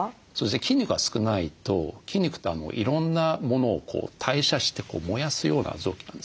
筋肉が少ないと筋肉っていろんなものを代謝して燃やすような臓器なんですね。